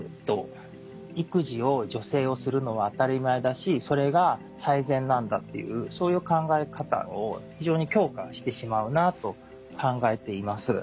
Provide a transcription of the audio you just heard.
育児を女性がするのは当たり前だしそれが最善なんだっていうそういう考え方を非常に強化してしまうなと考えています。